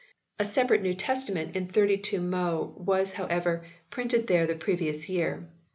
A separate New Testament in 32mo was, however, printed there the previous year.